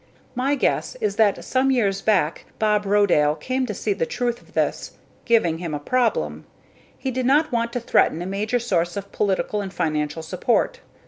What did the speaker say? My guess is that some years back, Bob Rodale came to see the truth of this, giving him a problem he did not want to threaten a major source of political and financial support.